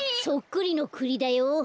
そっくりのクリだよ。